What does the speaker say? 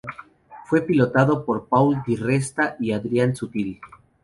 Fue pilotado por Paul di Resta y Adrian Sutil.